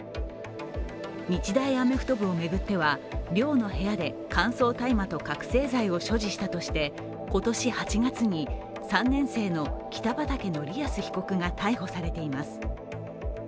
日大アメフト部を巡っては、寮の部屋で乾燥大麻と覚醒剤を所持したとして今年８月に３年生の北畠成文被告が逮捕されています。